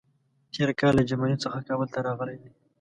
تېر کال له جرمني څخه کابل ته راغلی دی.